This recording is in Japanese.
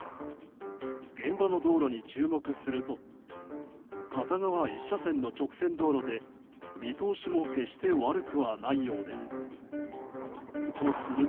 現場の道路に注目すると片側１車線の直線道路で見通しも決して悪くはないようです。